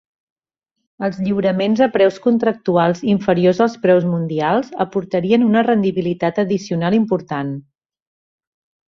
Els lliuraments a preus contractuals inferiors als preus mundials aportarien una rendibilitat addicional important.